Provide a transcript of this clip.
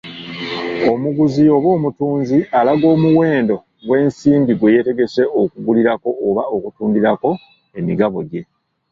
Omuguzi oba omutunzi alaga omuwendo gw'ensimbi gwe yeetegese okugulirako oba okutundirako emigabo gye.